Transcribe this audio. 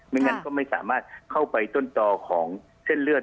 งั้นก็ไม่สามารถเข้าไปต้นจอของเส้นเลือด